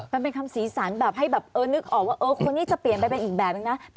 มันเป็นคำสีสันแบบให้แบบเออนึกออกว่าคนนี้จะเปลี่ยนไปเป็นอีกแบบนึงนะ